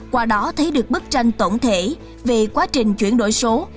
qua đó thấy được bức tranh tổng thể về quá trình chuyển đổi số